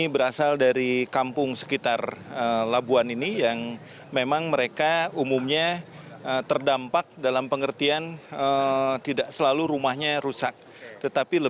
bersama saya ratu nabila